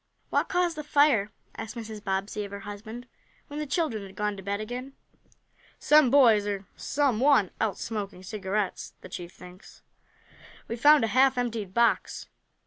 "What caused the fire?" asked Mrs. Bobbsey of her husband, when the children had gone to bed again. "Some boys or some one else smoking cigarettes, the chief thinks. We found a half emptied box."